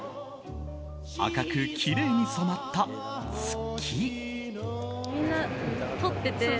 赤くきれいに染まった月。